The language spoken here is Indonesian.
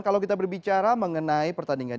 kalau kita berbicara mengenai pertandingan